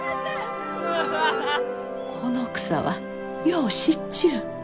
この草はよう知っちゅう。